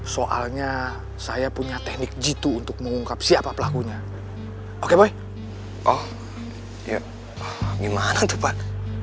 soalnya saya punya teknik jitu untuk mengungkap siapa pelakunya oke baik oh ya gimana cepat